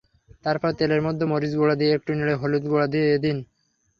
তারপর তেলের মধ্যে মরিচ গুঁড়া দিয়ে একটু নেড়ে হলুদ গুঁড়া দিয়ে দিন।